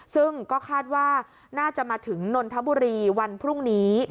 ซึ่งก็คาดว่าน่าจะมาถึงนนทบุรีวันพรุ่งนี้